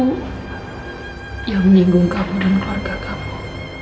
perbuatan aku yang menyinggung kamu dan keluarga kamu